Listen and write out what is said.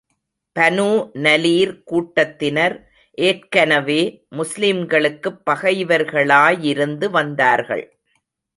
Banu நலீர் கூட்டத்தினர் ஏற்கனவே, முஸ்லிம்களுக்குப் பகைவர்களாயிருந்து வந்தார்கள்.